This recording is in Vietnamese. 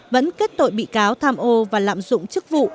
vẫn kết tội bị cáo tham ô và lạm dụng chức vụ